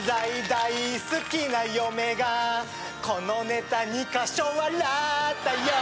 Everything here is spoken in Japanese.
大好きな嫁がこのネタ２カ所笑ったよ